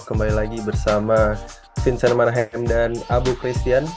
kembali lagi bersama vincent marhem dan abu christian